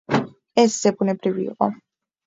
ეს ზებუნებრივი იყო.